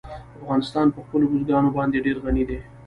افغانستان په خپلو بزګانو باندې ډېر غني دی.